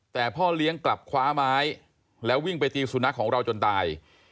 แต่พ่อเลี้ยงกลับคว้าไม้แล้ววิ่งไปตีสุนัขของเราจนตาย